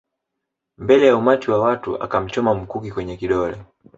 Mbele ya umati wa watu akamchoma mkuki kwenye kidole